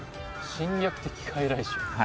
侵略的外来種。